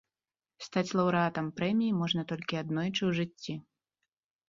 Стаць лаўрэатам прэміі можна толькі аднойчы ў жыцці.